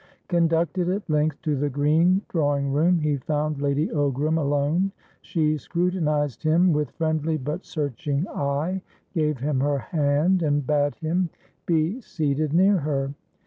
Conducted at length to the green drawing room, he found Lady Ogram alone. She scrutinised him with friendly but searching eye, gave him her hand, and bade him be seated near her.